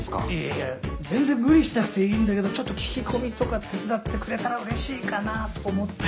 いや全然無理しなくていいんだけどちょっと聞き込みとか手伝ってくれたらうれしいかなと思ったり。